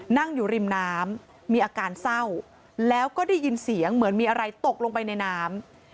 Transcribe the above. นั่งอยู่ริมน้ำมีอาการเศร้าแล้วก็ได้ยินเสียงเหมือนมีอะไรตกลงไปในน้ำ